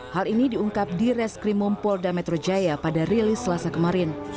hal ini diungkap di reskrim mumpol dan metro jaya pada rilis selasa kemarin